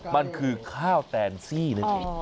มันคือข้าวแตนซี่นั่นเอง